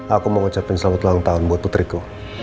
aku mau ngocapin selamat ulang tahun buat putriku